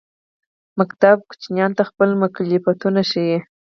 ښوونځی ماشومانو ته خپل مکلفیتونه ښيي.